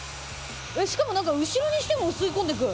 しかもなんか後ろにしても吸い込んでいく！